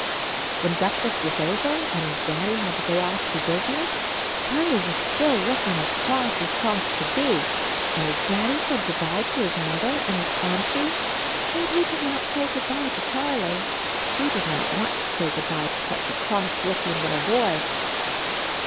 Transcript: When breakfast was over and his Daddy had to go off to business, Charlie was still looking as cross as cross could be. And his Daddy said good by to his Mother and his Auntie, but he did not say good by to Charlie. He did not want to say good by to such a cross looking little boy.